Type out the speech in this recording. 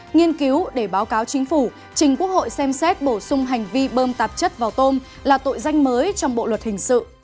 nghiên cứu để báo cáo chính phủ trình quốc hội xem xét bổ sung hành vi bơm tạp chất vào tôm là tội danh mới trong bộ luật hình sự